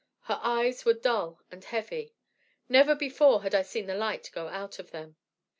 Her eyes were dull and heavy. Never before had I seen the light go out of them.